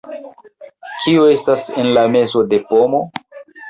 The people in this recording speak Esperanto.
Kio estas en la mezo de pomo?